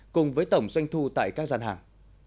cùng với tổng doanh thu tại các gian hàng